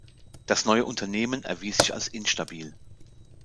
Das neue Unternehmen erwies sich als instabil.